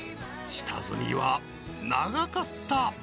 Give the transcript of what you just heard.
［下積みは長かった］